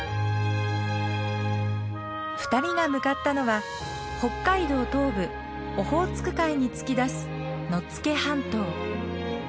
２人が向かったのは北海道東部オホーツク海に突き出す野付半島。